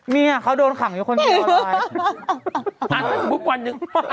เนี่ยเขาโดนขังอยู่คนบิวน่ะ